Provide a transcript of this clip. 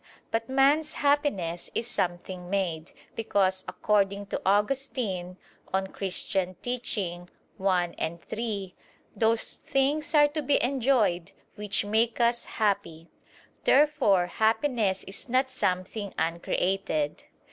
But man's happiness is something made; because according to Augustine (De Doctr. Christ. i, 3): "Those things are to be enjoyed which make us happy." Therefore happiness is not something uncreated.